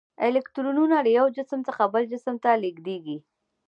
الکترونونه له یو جسم څخه بل جسم ته لیږدیږي.